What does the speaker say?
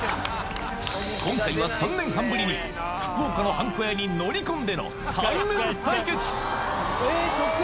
今回は３年半ぶりに福岡のはんこ屋に乗り込んでの対面対決！